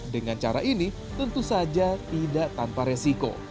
dengan cara ini tentu saja tidak tanpa resiko